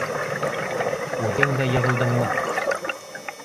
— Үҙең дә йығылдыңмы?